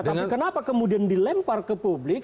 tapi kenapa kemudian dilempar ke publik